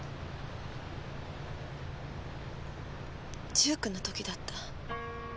１９歳の時だった。